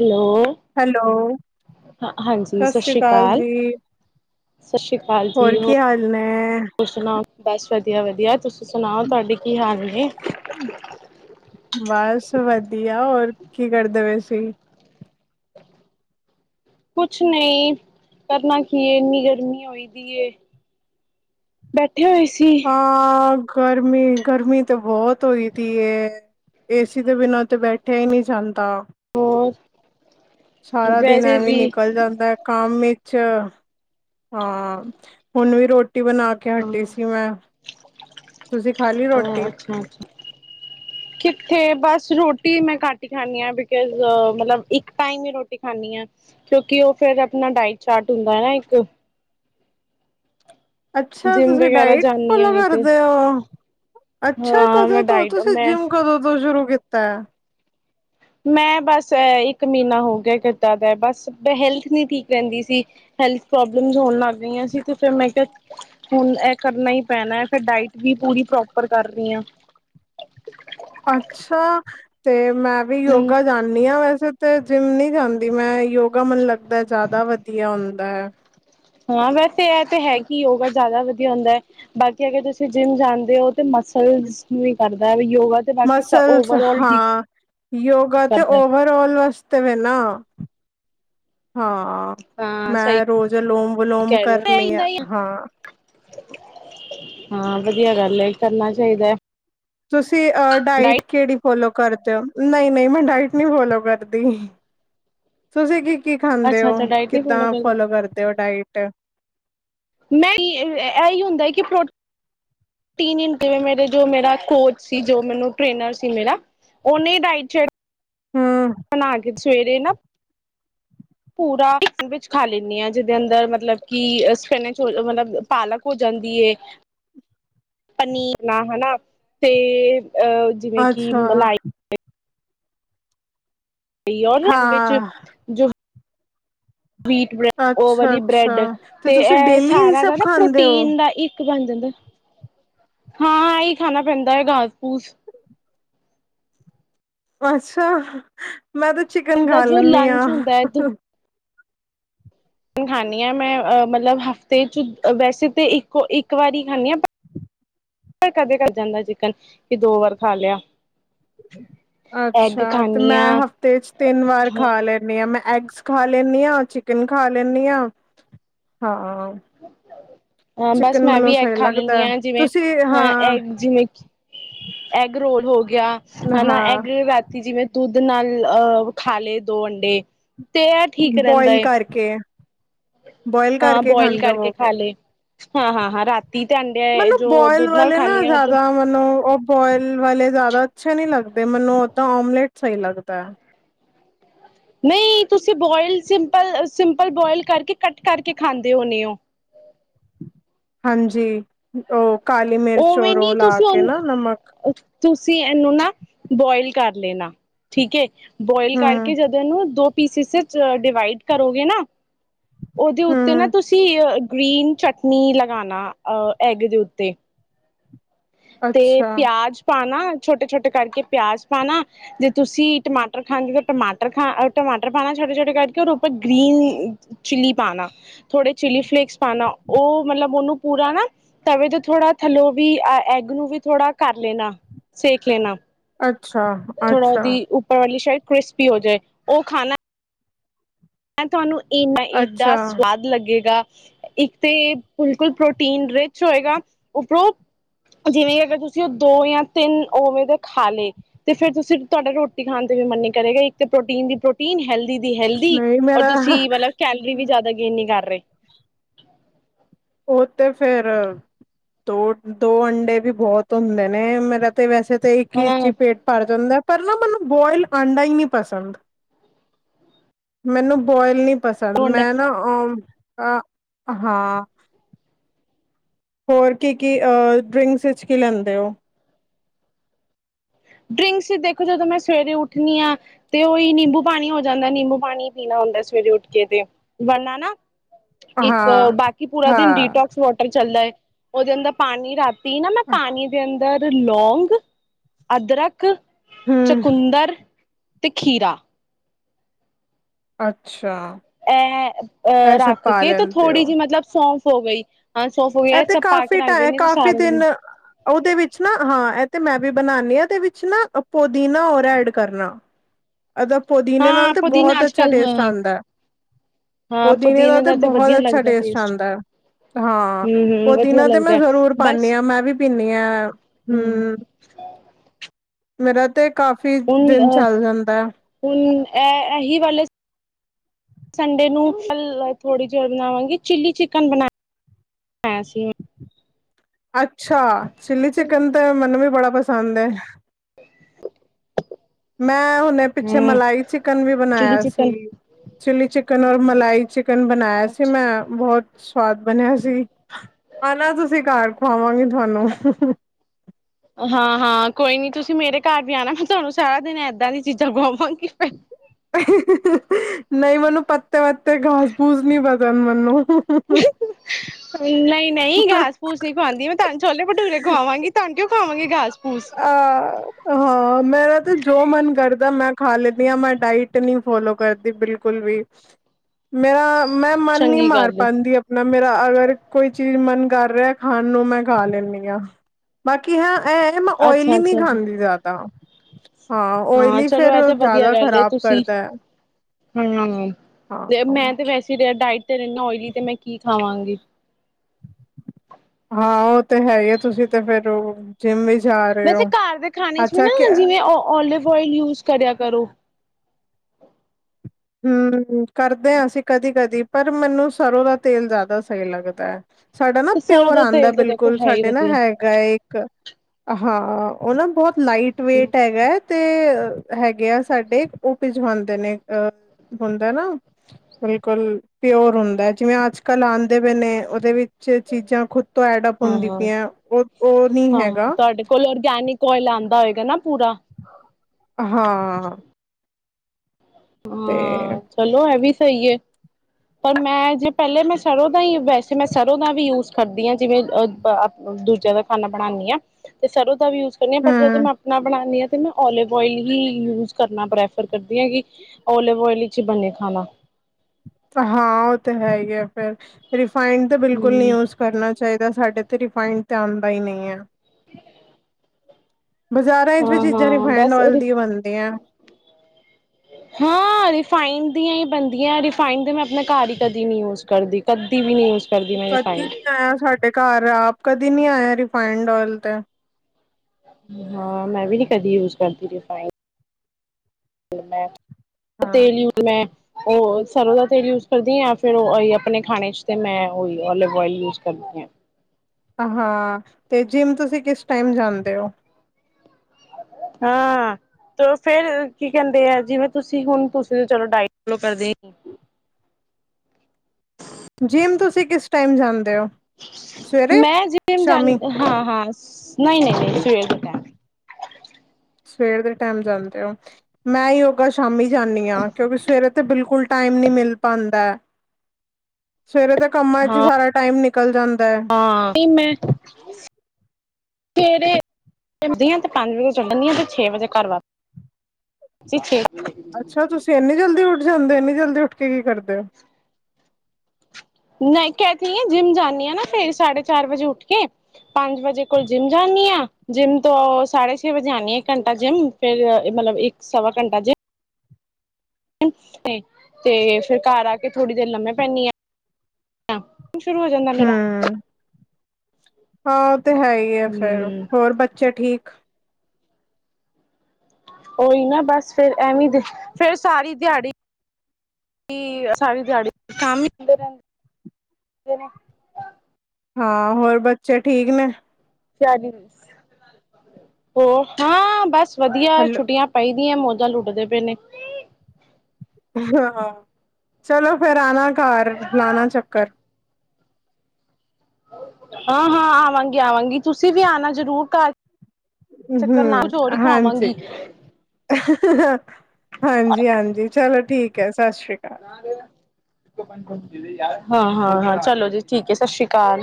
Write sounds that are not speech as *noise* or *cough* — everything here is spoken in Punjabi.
Hello, hello. ਹ ਹਾਂਜੀ, ਸਤਿ ਸ੍ਰੀ ਸਸ ਰੀ ਅਕਾਲ ਕਾਲ। ਜੀ, ਸਸ ਰੀ ਕਾਲ ਹੋਰ ਜੀ, ਕੀ ਹਾਲ ਨੇ? ਹੋਰ ਸੁਣਾਓ ਬਸ ਵਧੀਆ-ਵਧੀਆ, ਤੁਸੀਂ ਸੁਣਾਓ ਤੁਹਾਡੇ ਕੀ ਹਾਲ ਨੇ। ਬਸ ਵਧੀਆ, ਹੋਰ ਕੀ ਕਰਦੇ ਪਏ ਸੀਂ। ਕੁਛ ਨੀ ਕਰਨਾ ਕੀ ਏ, ਇੰਨੀ ਗਰਮੀ ਹੋ ਦੀ ਏ। ਬੈਠੇ ਹੋਏ ਸੀ। ਹਾਂ, ਗਰਮੀ-ਗਰਮੀ ਤੇ ਬਹੁਤ ਹੋਈ ਦੀ ਏ। ਏਸੀ ਦੇ ਬਿਨਾਂ ਤੇ ਬੈਠਿਆ ਹੀ ਨਹੀਂ ਜਾਂਦਾ ਹੋਰ਼। ਸਾਰਾ ਦਿਨ ਐਵੇਂ ਨਿਕਲ ਜਾਂਦਾ ਕੰਮ ਵਿੱਚ ਹਾਂ ਹੁਣ ਵੀ ਰੋਟੀ ਬਣਾ ਕੇ ਕਿਉਂ ਹਾਂ ਹਟੀ ਸੀ ਮੈਂ ਤੁਸੀਂ ਖਾ ਲਈ ਰੋਟੀ ਅੱਛਾ। ਹ। ਕਿੱਥੇ ਬਸ ਰੋਟੀ ਮੈਂ ਘੱਟ ਹੀ ਖਾਂਦੀ ਹਾਂ ਬਿਕੋਜ ਮਤਲਬ ਇੱਕ ਟਾਈਮ ਹੀ ਰੋਟੀ ਖਾਂਦੀ ਹਾਂ ਕਿਉਂਕਿ ਉਹ ਫੇਿਰ ਆਪਣਾ ਡਾਇਟ ਚਾਰਟ ਹੁੰਦਾ ਹੈ ਨਾ ਇੱਕ। ਅੱਛਾ ਜਿੰਮ ਤੁਸੀਂ ਵਗੈਰਾ ਡਾਇਟ ਜਾਂਦੀ ਫੋਲੋ ਹਾਂ ਤੇ ਕਰਦੇ ਹੋ। ਅੱਛਾ ਹਾਂ ਕਦੋਂ ਮੈਂ ਤੋਂ ਡਾਇਟ ਤੁਸੀਂ ਮੈਂ ਜਿੰਮ ਕਦੋਂ ਤੋਂ ਸ਼ੁਰੂ ਕੀਤਾ ਆ। ਮੈਂ ਬਸ ਇੱਕ ਮਹੀਨਾ ਹੋ ਗਿਆ ਕਰਦਾ ਦਾ ਬਸ ਹੈਲਥ ਨ ਠੀਕ ਰਹਿੰਦੀ ਸੀ। ਹੈਲਥ ਪ੍ਰੋਬਲਮਸ ਹੋਣ ਲੱਗ ਗਈਆਂ ਸੀ, ਤੇ ਫਿਰ ਮੈਂ ਕਿਹਾ ਹੁਣ ਐ ਕਰਨਾ ਹੀ ਪੈਣੈ ਫਿਰ ਡਾਇਟ ਵੀ ਪੂਰੀ ਪ੍ਰੋਪਰ ਕਰ ਰੀ ਆ। ਅੱਛਾ ਤੇ ਮੈਂ ਵੀ ਹਮ ਯੋਗਾ ਜਾਣਾ। ਦੀ ਹ ਵੈਸੇ ਤਾਂ ਜਿੰਮ ਨੀ ਜਾਂਦੀ ਮੈਂ ਯੋਗਾ ਮੈਨੂੰ ਲੱਗਦਾ ਜ਼ਿਆਦਾ ਵਧੀਆ ਹੁੰਦਾ ਹੈ। ਹਾਂ ਵੈਸੇ ਇਹ ਤੇ ਹੈ ਕੀ ਯੋਗਾ ਜ਼ਿਆਦਾ ਵਧੀਆ ਹੁੰਦਾ ਹੈ ਬਾਕੀ ਅਗਰ ਤੁਸੀਂ ਜਿੰਮ ਜਾਂਦੇ ਹੋ ਤਾਂ ਮਸਲਸ ਨੂੰ ਹੀ ਕਰਦਾ ਯੋਗਾ ਤੇ ਬਾਕੀ ਮਸਲਸ ਚ ਓਵਰ ਆਲ ਠੀਕ ਹਾਂ ਯੋਗਾ ਤੇ ਕਰਦਾ ਓਵਰ ਔਲ ਵਾਸਤੇ ਵੀ ਨਾ ਹਾਂ। ਹਾਂ ਮੈ ਸਹੀ ਰੋਜ਼ ਅਲੋਮ ਵਲੋਮ ਕਹਿ ਰਹੇ ਕਰਨੀ ਆ ਹੋ ਹਾਂ। ਹਾਂ ਵਧੀਆ ਗੱਲ ਹੈ। ਕਰਨਾ ਚਾਹੀਦਾ ਹੈ। ਤੁਸੀਂ ਡਾਇਟ ਕਿਹੜੀ ਫੋਲੋ ਕਰਦੇ ਹੋ ਨਹੀਂ ਨਹੀਂ ਮੈਂ ਡਾਇਟ ਨਹੀਂ ਫੋਲੋ ਕਰਦੀ ਤੁਸੀਂ ਕੀ-ਕੀ ਖਾਂਦੇ ਅੱਛਾ ਹੋ ਅੱਛਾ ਡਾਇਟ ਨਹੀਂ ਕਿੱਦਾਂ ਫੋਲੋ ਕਰਦੇ ਹੋ ਡਾਇਟ ਮੈਂ ਇਹੀ ਹੁੰਦਾ ਕਿ ਪ ਤੀਨ ਇੰਕਰੇ ਮੇਰੇ ਜੋ ਮੇਰਾ ਕੋਡ ਸੀ ਜੋ ਟ੍ਰੇਨਰ ਸੀ ਮੇਰਾ ਉਹਨੇ ਡਾਈਚ ਹਮ *unintelligible* ਸਵੇਰੇ ਨਾ ਪੂਰਾ ਫ ਸੈਡਵਿੱਚ ਖਾ ਲੈਂਦੀ ਹਾਂ ਜਿਹਦੇ ਅੰਦਰ ਮਤਲਬ ਕਿ ਸਫੈਨ ਚ ਮਤਲਬ ਪਾਲਕ ਹੋ ਜਾਂਦੀ ਹੈ ਅੱ *unintelligible* ਪਨੀ ਹਨਾ ਤੇ ਅਹ ਜਿਵੇਂ ਕਿ ਅੱਛਾ ਮਲਾਈ ਯਾਰ ਐਂਡ ਵਿੱਚ ਹਾਂ ਜੋ *inaudible* ਵੀਟ ਬ੍ਰੈਡ ਓ ਵਾਲੀ ਅੱਛਾ-ਅੱਛਾ ਬ੍ਰੈਡ ਤੇ ਤੁਸੀਂ ਇਹ ਡੇਲੀ ਇਹੀ ਸਾਰਾ ਸਭ ਦਾ ਨਾ ਖਾਂਦੇ ਹੋ ਪ੍ਰੋਟੀਨ ਦਾ ਇੱਕ। ਬਣ ਜਾਂਦਾ ਹਾਂ ਇਹ ਖਾਣਾ ਪੈਂਦਾ ਹੈ ਘਾਸ ਫੂਸ ਬਸ ਮੈਂ ਤੇ ਚਿਕਨ ਦਾ ਖਾ ਜੋ ਲੈਂਦੀ ਲੰਚ ਹਾਂ ਹੁੰਦਾ ਹੈ ਦੁ ਹਾ। ਖਾਂਦੀ ਹਾਂ ਮੈਂ ਅ ਮਤਲਬ ਹਫ਼ਤੇ ਚ ਵੈਸੇ ਤਾਂ ਇੱਕੋ ਇੱਕ ਵਾਰੀ ਖਾਂਦੀ ਹਾਂ ਪਰ ਕਦੇ ਕਰ ਜਾਂਦਾ ਚਿਕਨ ਕਿ ਦੋ ਵਾਰ ਖਾ ਲਿਆ ਐਗ ਅੱਛਾ ਤੇ ਖਾਂਦੀ ਮੈਂ ਹਾਂ ਹਫ਼ਤੇ ਚ ਤਿੰਨ ਵਾਰ ਖਾ ਲੈ ਮੇ ਯੈ ਮੈਂ ਐਗਜ਼ ਖਾ ਲੇਣੀ ਆ, ਚਿਕਨ ਖਾ ਲੇਣੀ ਆ ਹਾਂ। ਹਾਂ ਬਸ ਚਿਕਨ ਮੈਂ ਮੈਨੂੰ ਵੀ ਐਗ ਸਹੀ ਖਾ ਲੈਂਦੀ ਲੱਗਦਾ ਹਾਂ ਜਿਵੇਂ ਤੁਸੀਂ ਹ ਹਾਂ ਐਗ ਜਿਵੇਂ ਐਗ ਰੋਲ ਹੋ ਗਿਆ ਹਨਾ ਹਾਂ ਐਗ ਵੈ ਤਿ ਜਿਵੇਂ ਦੁੱਧ ਨਾਲ ਅਹ ਖਾ ਲਏ ਦੋ ਅੰਡੇ। ਤੇ ਇਹ ਠੀਕ ਰਹਿੰਦਾ ਬੋਆਇਲ ਏ ਕਰਕੇ। ਬੋਇਲ ਹਾਂ ਕਰਕੇ ਬੋਇਲ ਖਾਂਦੇ ਕਰਕੇ ਹੋਵੋਗੇ ਖਾ ਲਏ। ਹਾਂ-ਹਾਂ-ਹਾਂ ਰਾਤੀ ਤੇ ਅਂਡਿਆ ਮੈਨੂੰ ਜੋ ਬੋਇਲ ਦੁੱਧ ਨਾਲ ਵਾਲੇ ਨਾ ਖਾਣੀ ਆ। ਉਹ ਤੇ ਜ਼ਿਆਦਾ ਮੈਨੂੰ ਉਹ ਬੋਇਲ ਵਾਲੇ ਜ਼ਿਆਦਾ ਅੱਛੇ ਨਹੀਂ ਲੱਗਦੇ ਮੈਨੂੰ ਉਹ ਤਾਂ ਆਮਲੇਟ ਸਹੀ ਲੱਗਦਾ ਹ। ਨਹੀਂ ਤੁਸੀਂ ਬੋਇਲ ਸਿੰਪਲ-ਸਿੰਪਲ ਬੋਇਲ ਕਰਕੇ ਕੱਟ ਕਰਕੇ ਖਾਂਦੇ ਹੋਣੇ ਹੋ ਹਾਂਜੀ ਉਹ ਕਾਲੀ ਮਿਰਚ ਉਵੇਂ ਰੋ ਨੀ ਲਾ ਤੁਸੀਂ ਕੇ ਨਾ ਉਹਨੂੰ ਨਮਕ। ਤੁਸੀਂ ਇਹਨੂੰ ਨਾ ਬੋਆਇਲ ਕਰ ਲੈਣਾ ਠੀਕ ਹੈ। ਬੋਇਲ ਹੂੰ, ਕਰਕੇ ਜਦੋਂ ਇਹਨੂੰ ਦੋ ਪੀਸਿਸ ਚੱ ਡਿਵਾਈਡ ਕਰੋਗੇ ਨਾ ਉਹਦੇ ਉੱਤੇ ਨਾ ਹੂੰ, ਤੁਸੀਂ ਗ੍ਰੀਨ ਚਟਨੀ ਲਗਾਣਾ ਅਹ ਐਗ ਦੇ ਉੱਤੇ ਤੇ ਅੱਛਾ, ਪਿਆਜ ਪਾਣਾ ਛੋਟੇ-ਛੋਟੇ ਕਰਕੇ ਪਿਆਜ ਪਾਣਾ ਜੇ ਤੁਸੀਂ ਟਮਾਟਰ ਖਾਂਦੇ ਤਾਂ ਟਮਾਟਰ ਖਾ ਟਮਾਟਰ ਪਾਣਾ ਛੋਟੇ-ਛੋਟੇ ਕਟਕੇ ਔਰ ਉਪਰ ਗ੍ਰੀਨ ਚ ਕੁਛ ਨੀ ਪਾਣਾ। ਥੋੜੇ ਚਿਲੀ ਫਲੇਕਸ ਪਾਣਾ। ਉਹ ਮਤਲਬ ਉਹਨੂੰ ਪੂਰਾ ਨਾ ਤਵੇ ਤੋਂ ਥੋੜਾ ਥਲੋ ਵੀ ਐਗ ਨੂੰ ਵੀ ਥੋੜਾ ਕਰ ਲੈਣਾ। ਸੇਕ ਲੈਣਾ ਅੱਛਾ, ਥੋੜਾ ਅੱਛਾ, ਉਹਦੀ ਉਪ ਵਾਲੀ ਸ਼ਾਇਦ ਕ੍ਰਿਸਪੀ ਹੋ ਜਾਏ। ਉਹ ਖਾਣਾ ਮੈਂ ਤੁਹਾਨੂੰ ਏਨਾ ਏਡਾ ਅੱਛਾ ਸਵਾਦ ਲੱਗੇਗਾ। ਇੱਕ ਤੇ ਬਿਲਕੁਲ ਪ੍ਰੋਟੀਨ ਰਿੱਚ ਹੋਏਗਾ ਉਪਰੋ ਜਿਵੇਂ ਕਿ ਅਗਰ ਤੁਸੀਂ ਉਹ ਦੋ ਜਾਂ ਤਿੰਨ ਓਵੇਂ ਦੇ ਖਾਲੇ। ਤੇ ਫਿਰ ਤੁਸੀ ਤੁਹਾਡਾ ਰੋਟੀ ਖਾਣ ਤੇ ਵੀ ਮੰਨ ਕਰੇਗਾ। ਇਕ ਤੇ ਪ੍ਰੋਟੀਨ ਦੀ ਪ੍ਰੋਟੀਨ ਹੈਲਦੀ ਹੈਲਦੀ ਨਹੀਂ ਔਰ ਮੇਰਾ ਤੁਸੀਂ ਮਤਲਬ ਕੈਲਰੀ ਵੀ ਜ਼ਿਆਦਾ ਗੇਨ ਨੀ ਕਰ ਰਹੇ ਉਹ ਤੇ ਫੇਰ ਦੋ-ਦੋ ਅੰਡੇ ਵੀ ਬਹੁਤ ਹੁੰਦੇ ਨੇ ਮੇਰਾ ਤੇ ਵੈਸੇ ਤਾਂ ਇੱਕ ਹੀ ਹਾਂ ਚ ਪੇਟ ਭਰ ਜਾਂਦਾ। ਪਰ ਨਾ ਮੈਨੂੰ ਬੋਇਲ ਆਂਡਾ ਈ ਨੀ ਪਸੰਦ। ਮੈਨੂੰ ਬੋਇਲ ਨੀ ਪਸੰਦ ਹੁਣ ਮੈਂ ਨਾ ਅ ਹਾਂ ਹੋਰ ਕੀ-ਕੀ ਡਰਿੰਕਸ ਵਿੱਚ ਕੀ ਲੈਂਦੇ ਹੋ? ਡਰਿੰਕਸ ਦੇਖੋ ਜਦੋਂ ਮੈਂ ਸਵੇਰੇ ਉੱਠਣੀ ਹਾਂ ਤੇ ਉਹੀ ਨਿੰਬੂ-ਪਾਣੀ ਹੋ ਜਾਂਦਾ। ਨਿੰਬੂ-ਪਾਣੀ ਪੀਣਾ ਹੁੰਦਾ। ਸਵੇਰੇ ਉੱਠ ਕੇ ਤੇ ਵਰਨਾ ਨਾ ਇੱਕ ਹਾਂ ਓ ਬਾਕੀ ਪੂਰਾ ਦਿਨ ਹਾਂ ਡੀਟੋਕਸ ਵਾਟਰ ਚੱਲਦਾ ਐ। ਉਹਦੇ ਅੰਦਰ ਪਾਣੀ ਰਾ ਤੀ ਨਾ ਮੈਂ ਪਾਣੀ ਦੇ ਅੰਦਰ ਲੌਂਗ ਅਦਰਕ, ਹੂੰ ਚਕੁੰਦਰ ਤੇ ਖੀਰਾ। ਅੱਛਾ। ਇਹ ਐ ਸਭ ਰੱਖ ਪਾ ਕੇ ਤੇ ਲੈਂਦੇ ਹੋ ਥੋੜ੍ਹੀ ਜੀ ਮਤਲਬ ਸੌਂਫ ਹੋ ਗਈ। ਹਾਂ ਸੋਫ ਵੀ ਇਹ ਤੇ ਸਭ ਪਾ ਕੇ ਰੱਖ ਦਿਨੀ ਆ। ਸਾਰਾ ਦਿਨ ਓਦੇ ਵਿੱਚ ਨਾ ਹਾਂ ਐ ਤੇ ਮੈਂ ਵੀ ਬਣਾਣੀ ਆ। ਓਦੇ ਵਿੱਚ ਨਾ ਪੁਦੀਨਾ ਔਰ ਐਡ ਕਰਨਾ। ਅਦਾ ਪੋਦੀਨੇ ਨਾਲ ਹਾਂ ਤਾਂ ਪੁਦੀਨਾ ਬਹੁਤ ਅੱਜ ਅੱਛਾ ਕੱਲ ਟੇਸਟ ਹਾਂ ਆਦਾਂ। ਹਾਂ ਪੋਦੀਨੇ ਦਾ ਪੁਦੀਨੇ ਤੇ ਵਧੀਆ ਬਹੁਤ ਅੱਛਾ ਲੱਗਦਾ ਟੇਸਟ ਆਂਦਾ। ਹਾਂ, ਹਮ ਹਮ ਵਧੀਆ ਪੁਦੀਨਾ ਤੇ ਮੈਂ ਲੱਗਦਾ ਜ਼ਰੂਰ ਪਾਂਨੀ ਆ। ਮੈਂ ਵੀ ਪੀਂਣੀ ਹਾਂ ਹੂੰ। ਹਮ ਮੇਰਾ ਤੇ ਕਾਫ਼ੀ ਦਿਨ ਅ ਚੱਲ ਜਾਂਦਾ ਐ। ਹੁਣ ਐ ਇਹੀ ਵਾਲੇ ਸੰਡੇ ਨੂੰ ਫਲਾ ਥੋੜੀ ਜੀ ਔਰ ਬਣਾਵਾਂਗੇ। ਚਿੱਲੀ ਚਿਕਨ ਬਣਾ ਪਇਆ ਸੀ। ਅੱਛਾ, ਚਿਲੀ ਚਿਕਨ ਤੇ ਮੈਨੂੰ ਵੀ ਬੜਾ ਪਸੰਦ ਐ। ਮੈਂ ਹੁਣੇੇ ਪਿੱਛੇ ਹਮ ਮਲਾਈ ਚਿਕਨ ਵੀ ਚਿਲੀ ਬਣਾਇਆ ਸੀ ਚਿਕਨ ਚਿੱਲੀ ਚਿਕਨ ਔਰ ਮਲਾਈ ਚਿਕਨ। ਚਿਕਨ ਬਣਾਇਆ ਸੀ। ਅੱਛਾ ਮੈਂ ਬਹੁਤ ਸਵਾਦ ਬਣਿਆ ਸੀ। ਆਣਾ ਤੁਸੀਂ ਘਰ ਖਵਾਵਾਂਗੀ ਤੁਹਾਨੂੰ। ਹਾਂ-ਹਾਂ, ਕੋਈ ਨੀ ਤੁਸੀਂ ਮੇਰੇ ਘਰ ਵੀ ਆਣਾ ਮੈਂ ਤੁਹਾਨੂੰ ਸਾਰਾ ਦਿਨ ਐਦਾਂ ਦੀ ਚੀਜ਼ਾਂ ਖਵਾਵਾਂਗੀ ਮੈ ਨਈ ਮੈਨੂੰ ਪੱਤੇ-ਪੱਤੇ ਘਾਸ ਫੂਸ ਨੀ ਪਸੰਦ ਮੈਨੂੰ ਨਈ-ਨਈ ਗਾਸ ਫੂਸ ਨੀ ਖਵਾਂਦੀ। ਮੈ ਤੁਹਾਨੂੰ ਛੋਲੇ ਭਟੂਰੇ ਖਾਵਾਂਗੀ। ਤੁਆਹੂੰ ਕਿਉ ਖਵਾਂਗੀ ਗਾਸ ਪੂਸ। ਆ। ਹਾਂ, ਮੇਰਾ ਤੇ ਜੋ ਮਨ ਕਰਦਾ, ਮੈਂ ਖਾ ਲੈਂਦੀ ਹਾਂ। ਮੈਂ ਡਾਇਟ ਨੀ ਫੋਲੋ ਕਰਦੀ ਬਿਲਕੁਲ ਬਿਲਕੁਲ ਵੀ, ਮੈਂ ਮੈਂ ਮਨ ਨਹੀਂ ਚੰਗੀ ਮਾਰ ਗੱਲ ਏ ਪਾਂਦੀ। ਨਾ ਮੇਰਾ ਅਗਰ ਕੋਈ ਚੀਜ ਮਨ ਕਰ ਰਿਆ। ਖਾਣ ਨੂੰ ਮੈ ਖਾ ਲੈਂਦੀ ਆ ਬਾਕੀ ਹਾ ਏ ਐ ਕਿ ਮੈਂ ਅੱਛਾ ਓਇਲੀ ਨੀ ਅੱਛਾ ਖਾਂਦੀ ਜ਼ਿਆਦਾ ਹਾਂ ਓਇਲੀ ਚਲੋ ਫੇਰ ਇਹ ਤਾਂ ਜ਼ਿਆਦਾ ਖ਼ਰਾਬ ਕਰਦਾ ਐ। ਹੂੰ ਹਾਂ ਮੈਂ ਤੇ ਵੈਸੇ ਡਾਇਟ ਤੇ ਰਹਿੰਨੀ ਓਇਲੀ ਤੇ ਮੈਂ ਕੀ ਖਾਵਾਂਗੀ। ਹਾਂ, ਉਹ ਤੇ ਹੈ ਹੀ ਹੈ, ਤੁਸੀਂ ਤੇ ਫੇਰ ਉਹ *unintelligible* ਵੈਸੇ ਘਰ ਦੇ ਖਾਣੇ ਚ ਵੀ ਨਾ, ਜਿਵੇਂ ਓਲਿਵ- ਓਇਲ ਯੂਸ ਕਰਿਆ ਕਰੋ। ਹੂੰ ਕਰਦੇ ਹਾਂ, ਅਸੀਂ ਕਦੀ- ਕਦੀ, ਪਰ ਮੈਨੂੰ ਸਰ੍ਹੋਂ ਦਾ ਤੇਲ ਜ਼ਿਆਦਾ ਸਹੀ ਲੱਗਦਾ ਹੈ। ਸਾਡਾ ਨਾ, ਤੇ ਸਰੋਂ ਪਿਓਰ ਦਾ ਆਉਂਦਾ, ਤੇਲ ਤਾਂ ਦੇਖੋ ਬਿਲਕੁਲ ਹੈ ਹੀ ਸਾਡੇ ਨਾ ਵਧੀਆ ਹੈ ਹੈ ਇੱਕ, ਹਾਂ, ਉਹ ਨਾ, ਬਹੁਤ ਲਾਈਟ ਵੇਟ ਹੈਗਾ। ਤੇ ਹੈਗੇ ਆ, ਸਾਡੇ ਉਹ ਭਿਜਵਾਉਂਦੇ ਨੇ ਅਹ, ਹੁੰਦਾ ਨਾ ਬਿਲਕੁਲ ਪਿਓਰ ਹੁੰਦਾ ਹੈ। ਜਿਵੇਂ ਅੱਜ -ਕੱਲ੍ਹ ਆਉਂਦੇ ਪਏ ਨੇ, ਉਹਦੇ ਵਿੱਚ ਚੀਜ਼ਾਂ ਖੁਦ ਤੋਂ ਐਡਾ ਪੋੰਦੀ ਹਾਂ ਪਈਆਂ। ਉਹ ਉਹ ਨੀਂ ਹਾਂ ਹੈਗਾ। ਤੁਹਾਡੇ ਕੋਲ ਔਰਗੈਨਿਕ ਓਇਲ ਆਉਂਦਾ, ਹੋਏਗਾ ਨਾ ਪੂਰਾ। ਹਾਂ। ਤੇ ਹਮ, ਚਲੋ ਇਹ ਵੀ ਸਹੀ ਹੈ। ਪਰ ਮੈਂ ਜੇ, ਪਹਿਲੇ ਮੈਂ ਸਰ੍ਹੋਂ ਦਾ ਹੀ, ਵੈਸੇ ਮੈਂ ਸਰੋਂ ਦਾ ਵੀ ਯੂਸ ਸਰਦੀਆਂ ਚ ਜਿਵੇਂ, ਅ ਦੂਜਿਆਂ ਦਾ ਖਾਨਾ ਬਣਾਉਂਦੀ ਹਾਂ। ਤੇ ਸਰ੍ਹੋਂ ਦਾ ਵੀ ਯੂਸ ਕਰਨੀ ਆਂ, ਪਰ ਜਦੋਂ ਹਮ ਮੈਂ ਆਪਣਾ ਬਣਾਉਂਦੀ ਹਾਂ। ਤੇ, ਮੈਂ ਓਲਿਵ- ਓਇਲ ਹੀ ਯੂਜ਼ ਕਰਨਾ, ਪ੍ਰੈਫਰ ਕਰਦੀ ਹਾਂ। ਕਿ ਓਲਿਵ- ਓਇਲ ਵਿੱਚ ਬਣੇ ਖਾਣਾ। ਹਾਂ ਉਹ ਤੇ, ਹੈ ਹੀ ਐ ਫੇਰ, ਰਿਫਾਇੰਡ ਤਾਂ ਬਿਲਕੁਲ ਨਹੀਂ ਹਮ ਯੂਸ ਕਰਨਾ ਚਾਹੀਦਾ, ਸਾਡੇ ਤੇ ਇੱਥੇ ਰਿਫਾਈੰਡ ਤੇ ਆਉਂਦਾ ਹੀ ਨਹੀਂ ਹੈ। *unintelligible* ਬਜ਼ਾਰਾਂ ਵਿੱਚ ਵੀ, ਹਾਂ ਚੀਜ਼ਾਂ ਹਾਂ ਰਿਫਾਇੰਡ ਬਸ ਓਇਲ ਦੀਆਂ ਬਣਦੀਆਂ। ਹਾਂ, ਰਿਫਾਇੰਡ ਦੀਆਂ ਹੀ ਬਣਦੀਆਂ, ਰਿਫਾਇੰਡ ਤੇ ਮੈਂ ਆਪਣੇ ਘਰ ਹੀ, ਕਦੀ ਯੂ ਨਹੀਂ ਕਰਦੀ। ਕਦੀ ਵੀ ਨਹੀਂ, ਯੂਸ ਕਦੀਂ ਨੀਂ ਆਇਆ ਸਾਡੇ ਘਰ। ਆਪ ਕਦੀਂ ਨੀਂ ਆਇਆ, ਰਿਫਾਇੰਡ ਓਇਲ ਤੇ। ਹਾਂ, ਮੈਂ ਵੀ ਨੀ ਕਦੀ ਯੂਜ, ਕਰਦੀ ਰਿਫਾਇੰਡ। *unintelligible* ਉਹ, ਹਾਂ ਸਰੋਂ ਦਾ ਤੇਲ ਯੂਜ ਕਰਦੀ ਹਾਂ, ਜਾਂ ਫਿਰ ਓ, ਆਪਣੇ ਖਾਣੇ ਚ ਤੇ ਮੈਂ, ਉਹੀ ਓਲਿਵ ਓਇਲ ਯੂਜ ਕਰਦੀ ਹਾਂ। ਹ ਹਾਂ, ਤੇ ਜਿਮ ਤੁਸੀਂ ਕਿਸ, ਟਾਈਮ ਜਾਂਦੇ ਹੋ? ਹਾਂ। ਚਲੋ ਫੇਰ ਕੀ ਕਹਿੰਦੇ ਆ, ਜਿਵੇਂ ਤੁਸੀਂ ਹੁਣ, ਤੁਸੀਂ ਚਲੋ ਡਾਇਟ ਫੋਲੋ ਕਰਦੇ। ਜਿਮ, ਤੁਸੀ ਤੁਸੀਂ, ਕਿਸ ਟਾਈਮ ਜਾਂਦੇ ਹੋ? ਸਵੇਰੇ ਮੈਂ ਜਿਮ ਜਾ, ਸ਼ਾਮੀ ਹਾਂ -ਹਾ, ਨਹੀਂ -ਨਹੀਂ, ਸਵੇਰ ਦੇ ਟਾਈਮ। ਸਵੇਰ ਦੇ ਟਾਈਮ ਜਾਂਦੇ ਹੋ, ਮੈਂ ਯੋਗਾ ਸ਼ਾਮੀ ਜਾਂਦੀ ਹਾਂ। ਕਿਉਂਕਿ ਸਵੇਰੇ ਤੇ ਬਿਲਕੁਲ ਟਾਈਮ ਨੀ ਮਿਲ ਪਾਂਦਾ, ਸਵੇਰੇ ਤੇ ਕੰਮਾਂ ਚ ਸਾਰਾ ਟਾਈਮ ਨਿਕਲ ਜਾਂਦਾ ਹੈ। ਹਾਂ, *unintelligible* ਸਵੇਰੇ ਚਲਦੀ ਆ, ਪੰਜ ਵਜ਼ੇ ਚਲੀ ਜਾਂਦੀ ਹਾਂ ਤੇ, ਛੇ ਵਜ਼ੇ ਘਰ ਵਾਪਸ। *inaudible* ਅੱਛਾ ਤੁਸੀਂ, ਇੰਨੀ ਜਲਦੀ ਉੱਠ ਜਾਂਦੇ ਹੋ? ਇੰਨੀ ਜਲਦੀ ਉੱਠ ਕੇ, ਕੀ ਕਰਦੇ ਹੋ? ਨਹੀਂ ਕਹਿ ਤੇ ਰਹੀ ਆ, ਜਿੰਮ ਜਾਂਦੀ ਹਾਂ ਨਾ, ਸਵੇਰੇ ਸਾਢੇ ਚਾਰ ਵਜੇ ਉੱਠ ਕੇ। ਪੰਜ ਵਜੇ, ਕੋਲ ਜਿੰਮ ਜਾਂਣੀ ਆ। ਜਿੰਮ ਤੋਂ ਸਾਢੇ ਛੇ ਵਜੇ ਆਉਣੀ ਆ, ਇੱਕ ਘੰਟਾ ਜਿੰਮ ਫੇਰ, ਮਤਲਬ ਇੱਕ, ਸਵਾ ਘੰਟਾ ਜਿਮ ਤੇ ਫ਼ਿਰ ਘਰ ਆ ਕੇ ਥੋੜ੍ਹੀ ਦੇਰ ਲੰਮੇਂ ਪੈਂਨੀ ਆ। ਸ਼ੁਰੂ, ਹੋ ਜਾਂਦਾ ਮੇਰਾ। ਹਮ। ਹਾਂ, ਉਹ ਤੇ ਹੈ ਹੀ ਆ, ਫੇਰ, ਹਮ ਹੋਰ ਬੱਚੇ ਠੀਕ? ਉਹੀ ਨਾ, ਬਸ ਫਿਰ ਐਵੇਂ। ਫ਼ਿਰ ਸਾਰੀ ਦਿਹਾੜੀ। ਕੀ, ਸਾਰੀ ਦਿਹਾੜੀ ਕੰਮ ਹੀ ਹੁੰਦੇ ਰਹਿੰਦੇ। ਹਾਂ ਹੋਰ ਬੱਚੇ ਠੀਕ ਨੇ? ਤਿਆਰੀ, ਹੋਰ ਹਾਂ, ਬਸ ਵਧੀਆਂ ਹੈਲੋ ਛੁੱਟੀਆਂ ਪਈ, ਦੀਆਂ ਮੌਜਾਂ ਲੁੱਟਦੇ ਪਏ ਨੇ। ਹਾਂ, ਚਲੋਂ ਫ਼ਿਰ ਆਣਾ ਘਰ, ਲਾਣਾ ਚੱਕਰ। ਹਾਂ, ਹਾਂ ਆਵਾਂਗੀ ਆਵਾਂਗੀ। ਤੁਸੀਂ ਵੀ ਆਣਾ ਜ਼ਰੂਰ ਘਰ। ਚੱਕਰ ਨਾ ਹੂੰ, ਕੁਛ ਹੋਰ ਹੀ ਹਾਂਜੀ ਖਵਾਵਾਂਗੀ *unintelligible* ਹਾਂਜੀ, ਹਾਂਜੀ ਚਲੋ ਠੀਕ ਹੈ, ਸਤਿ ਸ਼੍ਰੀ ਅਕਾਲ। ਹਾਂ, ਹਾਂ, ਹਾਂ ਚਲੋ ਜੀ ਠੀਕ ਹੈ ਸਤਿ ਸ੍ਰੀ ਅਕਾਲ।